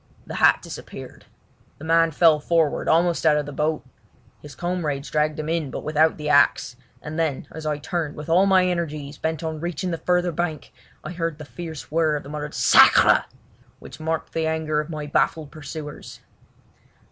The hat disappeared. The man fell forward, almost out of the boat. His comrades dragged him in but without the axe, and then as I turned with all my energies bent on reaching the further bank, I heard the fierce whirr of the muttered "Sacre!" which marked the anger of my baffled pursuers.